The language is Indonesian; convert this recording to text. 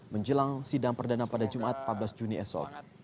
menjelang sidang perdana pada jumat empat belas juni esok